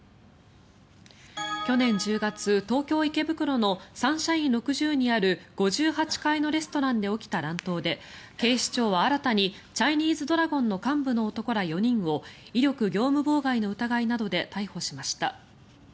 去年１０月、東京・池袋のサンシャイン６０にある５８階のレストランで起きた乱闘で警視庁は、新たにチャイニーズドラゴンの幹部の男ら４人を威力業務妨害の疑いなどで逮捕しました。